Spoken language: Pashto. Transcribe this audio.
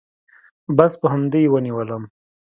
بس په همدې يې ونيولم.